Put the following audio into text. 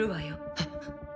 えっ？